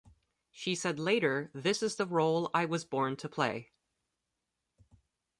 She said later, This is the role I was born to play.